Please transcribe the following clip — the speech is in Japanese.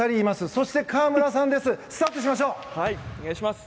そして河村さん、スタートです。